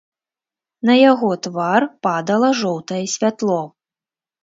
На яго твар падала жоўтае святло.